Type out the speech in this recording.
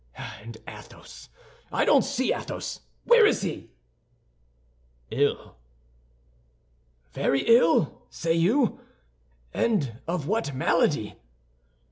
And Athos—I don't see Athos. Where is he?" "Ill—" "Very ill, say you? And of what malady?"